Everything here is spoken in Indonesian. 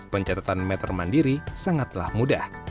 pencatatan meter mandiri sangatlah mudah